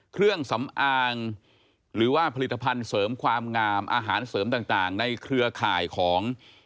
เครื่องสำอางหรือว่าผลิตภัณฑ์เสริมความงามอาหารเสริมต่างในเครือข่ายของ